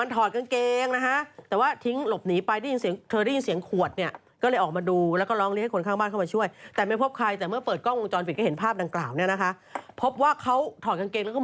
เธอวางไว้เพื่อดักคนร้ายนะ